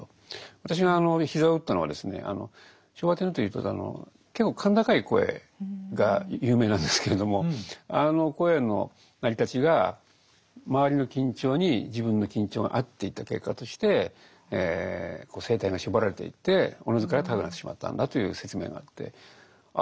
私が膝を打ったのはですね昭和天皇というと結構甲高い声が有名なんですけれどもあの声の成り立ちが周りの緊張に自分の緊張が合っていった結果として声帯が絞られていっておのずから高くなってしまったんだという説明があってああ